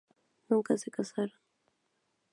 Nunca se casaron.